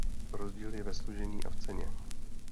Rozdíl je ve složení a v ceně.